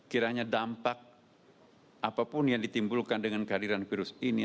kiranya dampak apapun yang ditimbulkan dengan kehadiran virus ini